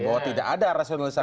bahwa tidak ada rasionalisasi